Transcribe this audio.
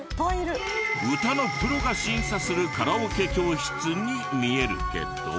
歌のプロが審査するカラオケ教室に見えるけど。